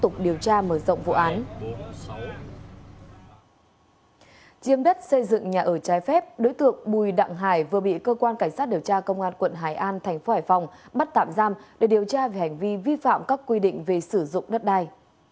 chiếm đất xây dựng nhà ở trái phép đối tượng bùi đặng hải vừa bị cơ quan cảnh sát điều tra công an quận hải an thành phố hải phòng bắt tạm giam để điều tra về hành vi vi phạm các quy định về sử dụng đất đai